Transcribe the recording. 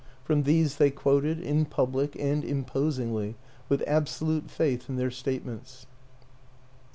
From these they quoted, in public and imposingly, with ab solute faith in their statements.